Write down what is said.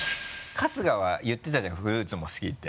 春日は言ってたじゃんフルーツも好きって。